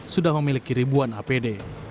sudah memiliki ribuan apd